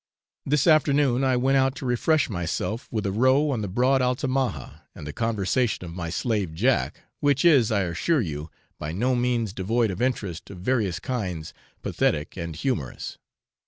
This afternoon I went out to refresh myself with a row on the broad Altamaha and the conversation of my slave Jack, which is, I assure you, by no means devoid of interest of various kinds, pathetic and humorous.